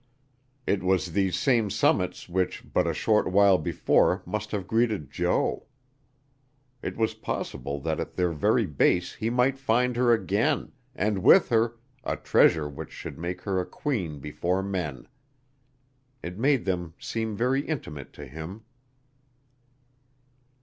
It was these same summits which but a short while before must have greeted Jo; it was possible that at their very base he might find her again, and with her a treasure which should make her a queen before men. It made them seem very intimate to him.